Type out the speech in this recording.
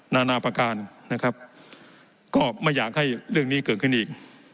นานาประการนะครับก็ไม่อยากให้เรื่องนี้เกิดขึ้นอีก